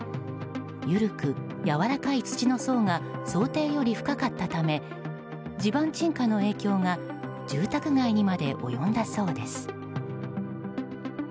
緩くやわらかい土の層が想定より深かったため地盤沈下の影響が住宅街にまで及んだそうです。